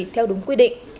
theo đúng quy định